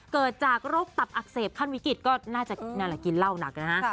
เกิดจากโรคตับอักเสบขั้นวิกฤตก็น่าจะนั่นแหละกินเหล้าหนักนะฮะ